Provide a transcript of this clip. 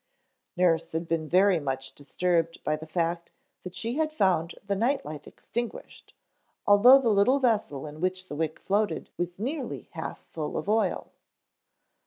Nurse had been very much disturbed by the fact that she had found the night light extinguished, although the little vessel in which the wick floated was nearly half full of oil.